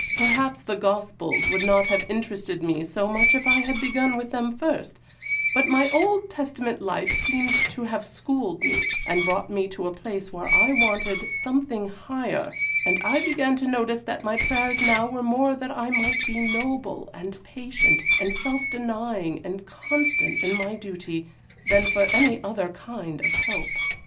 Perhaps the Gospels would not have interested me so much if I had begun with them first; but my Old Testament life seemed to have schooled me, and brought me to a place where I wanted, something higher, and I began to notice that my prayers now were more that I might be noble, and patient, and self denying, and constant in my duty, than for any other kind of help.